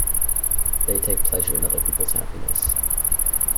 They take pleasure in other people's happiness.